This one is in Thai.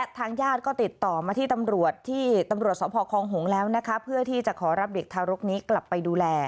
อายุ๒๐ปี